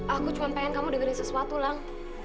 aku cuma ingin kamu dengar sesuatu lang